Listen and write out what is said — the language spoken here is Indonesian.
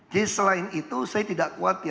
jadi selain itu saya tidak kuat